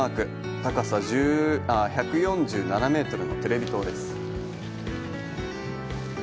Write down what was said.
高さ１４７メートルのテレビ塔です。